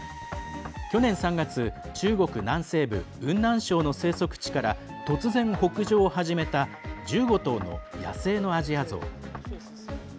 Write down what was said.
去年３月、中国南西部雲南省の生息地から突然、北上を始めた１５頭の野生のアジアゾウ。